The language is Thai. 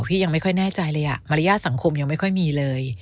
ยังไม่ค่อยแน่ใจเลยมารยาทสังคมยังไม่ค่อยมีเลย